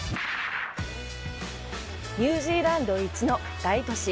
ニュージーランド一の大都市